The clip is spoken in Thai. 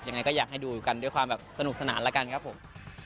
ยังไงก็อยากให้ดูกันด้วยความแบบสนุกสนานแล้วกันครับผม